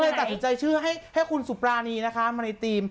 ตัดสินใจเชื่อให้คุณสุปรานีนะคะมาในธีม